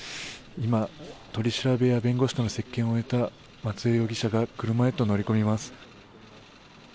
今、取り調べや弁護士との接見を終えた、松江容疑者が車へと乗り込みます。